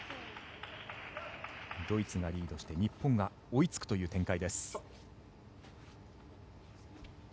ドイツがリードして日本が追いつくという展開。